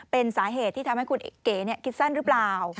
เป็นสาเหตุที่ทำให้คุณเก๋คิดสั้นหรือเปล่า